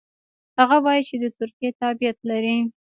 هغه وايي چې د ترکیې تابعیت لري.